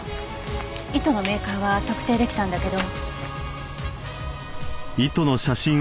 糸のメーカーは特定できたんだけど。